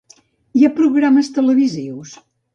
I a programes televisius?